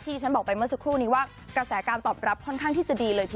ที่สำหรับฝั่งเมื่อเจ้าครู่นี้ว่า